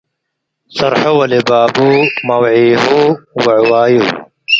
ጽርሑ ወለብላቡ - መውዒሁ ወዕዋዩ፣